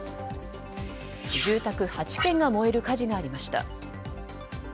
住宅８軒が燃える火事がありました。